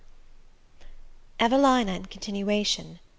EVELINA IN CONTINUATION.